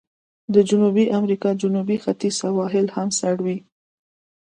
د جنوبي امریکا جنوب ختیځ سواحل هم سړ وي.